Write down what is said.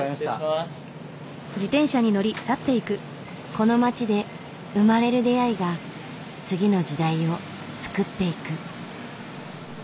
この街で生まれる出会いが次の時代をつくっていく。